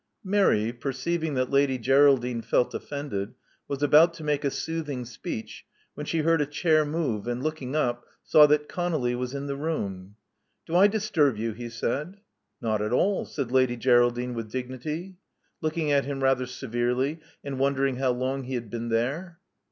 Mary, perceiving that Lady Geraldine felt offended, was about to make a soothing speech, when she heard a chair move, and, looking up, saw that ConoUy was in the room. Do I disturb you?" he said. Not at all," said Lady Geraldine with dignity, looking at him rather severely, and wondering how long he had been there.